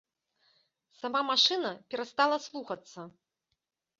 Сама машына перастала слухацца.